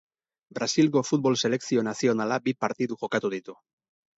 Brasilgo futbol selekzio nazionala bi partidu jokatu ditu.